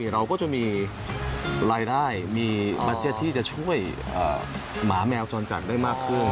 เราก็จะมีรายได้มีมาเจ็ตที่จะช่วยหมาแมวจรจัดได้มากขึ้น